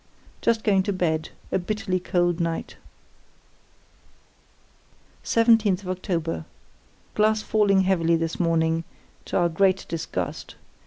Just going to bed; a bitterly cold night. "Oct. 17.—Glass falling heavily this morning, to our great disgust.